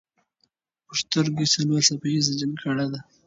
پوښتورګی څلور څپه ایزه ګړه ده.